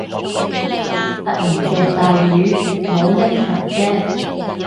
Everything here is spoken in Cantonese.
突然極大雨，冇拎長遮